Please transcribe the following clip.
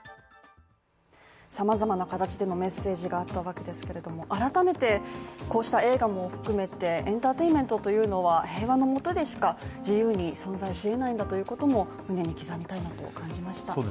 さまざまな形でのメッセージがあったわけですけれども、改めてこうした映画も含めてエンターテインメントというのは平和のもとでしか、自由に存在し得ないんだなっていうことも胸に刻みたいなと感じました。